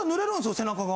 背中が。